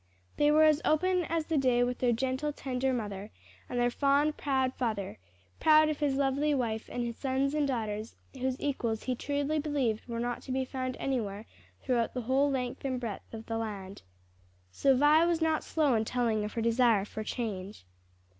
They were as open as the day with their gentle, tender mother, and their fond, proud father proud of his lovely wife, and his sons and daughters, whose equals he truly believed were not to be found anywhere throughout the whole length and breadth of the land. So Vi was not slow in telling of her desire for change.